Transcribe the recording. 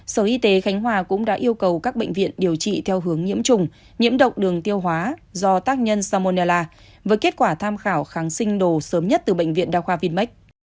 sở y tế khánh hòa cũng đã yêu cầu các bệnh viện điều trị theo hướng nhiễm trùng nhiễm độc đường tiêu hóa do tác nhân samonella với kết quả tham khảo kháng sinh đồ sớm nhất từ bệnh viện đa khoa vinmec